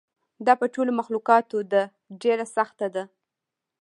دا په ټولو مخلوقاتو ده ډېره سخته ده.